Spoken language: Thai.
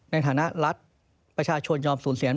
ในฐานะรัฐประชาชนยอมสูญเสีย